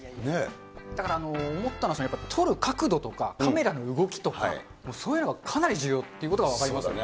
だから思ったのは、撮る角度とか、カメラの動きとか、そういうのがかなり重要というのが分かりましたね。